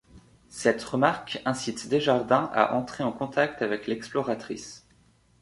Cette remarque incite Desjardins à entrer en contact avec l'exploratrice.